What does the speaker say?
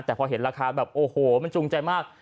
แต่พอเห็นราคาแบบโอ้โหมันจูงใจมาก